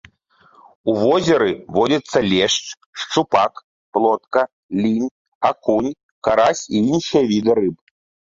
У возеры водзяцца лешч, шчупак, плотка, лінь, акунь, карась і іншыя віды рыб.